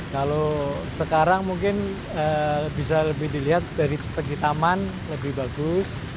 kalau sekarang mungkin bisa lebih dilihat dari segi taman lebih bagus